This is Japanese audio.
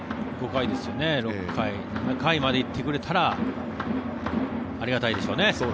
６回、７回まで行ってくれたらありがたいでしょうね。